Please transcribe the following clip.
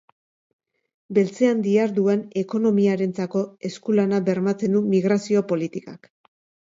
Beltzean diharduen ekonomiarentzako esku-lana bermatzen du migrazio politikak.